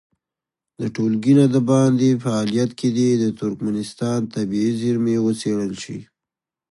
د ټولګي نه د باندې فعالیت کې دې د ترکمنستان طبیعي زېرمې وڅېړل شي.